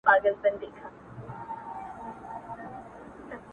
هم په غلاوو کي شریک یې څارنوال وو؛